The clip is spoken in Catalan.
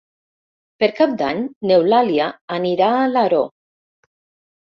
Per Cap d'Any n'Eulàlia anirà a Alaró.